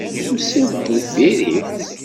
Tusiḍ-d deffir-iw.